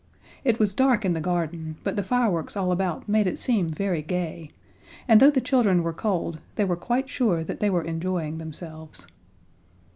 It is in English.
It was dark in the garden, but the fireworks all about made it seem very gay, and though the children were cold they were quite sure that they were enjoying themselves.